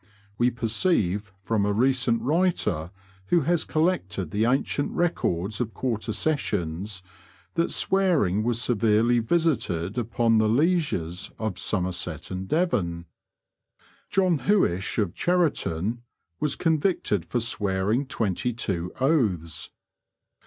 We perceive from a recent writer, who has collected the ancient records of quarter sessions, that swearing was severely visited upon the lieges of Somerset and Devon. John Huishe, of Cheriton, was convicted for swearing twenty two oaths.